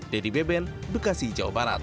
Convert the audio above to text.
dedy beben bekasi jawa barat